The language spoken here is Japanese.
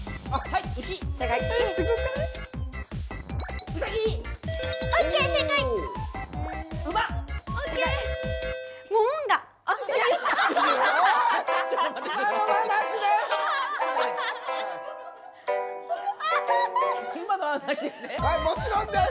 はいもちろんです！